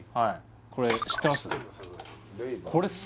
これ知ってます？